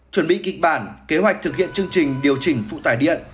chuẩn bị kịch bản kế hoạch thực hiện chương trình điều chỉnh phụ tải điện